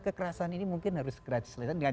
kekerasan ini mungkin harus dikerajakan dengan